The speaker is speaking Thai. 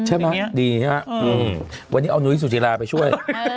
ใช่ไหมดีใช่ไหมวันนี้เอานุ้ยสุจิราไปช่วย